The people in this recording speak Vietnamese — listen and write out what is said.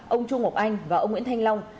ông chu ngọc anh và ông nguyễn thanh long